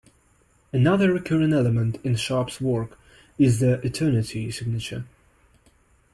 Another recurring element in Sharp's work is the "Eternity" signature.